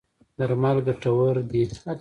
درمل ګټور دی.